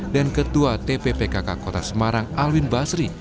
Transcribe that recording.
dan ketua tppkk kota semarang alwin basri